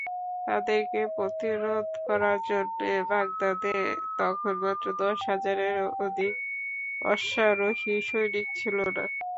তাদেরকে প্রতিরোধ করার জন্যে বাগদাদে তখন মাত্র দশ হাজারের অধিক অশ্বারোহী সৈনিক ছিল না।